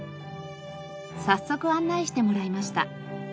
早速案内してもらいました。